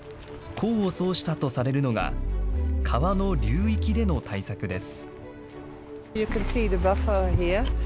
功を奏したとされるのが、川の流域での対策です。